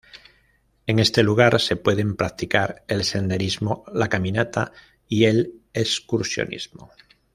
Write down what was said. En este lugar se pueden practicar el senderismo, la caminata y el excursionismo.